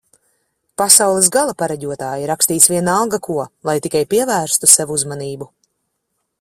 Pasaules gala pareģotāji rakstīs vienalga ko, lai tikai pievērstu sev uzmanību